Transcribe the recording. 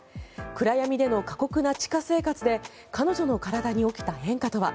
暗闇での過酷な地下生活で彼女の体に起きた変化とは。